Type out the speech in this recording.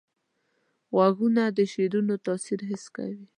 غوږونه د شعرونو تاثیر حس کوي